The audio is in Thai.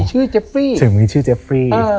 ถึงมีชื่อเจฟฟรี